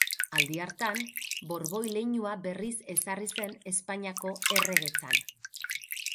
Aldi hartan, Borboi leinua berriz ezarri zen Espainiako erregetzan.